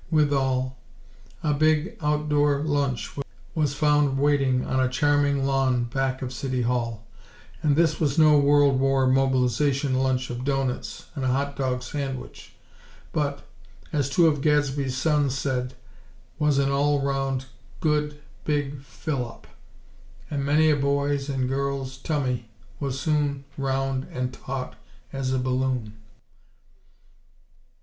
with all, a big out door lunch was found waiting on a charming lawn back of City Hall; and this was no World War mobilization lunch of doughnuts and a hot dog sandwich; but, as two of Gadsby's sons said, was "an all round, good, big fill up;" and many a boy's and girl's "tummy" was soon as round and taut as a balloon.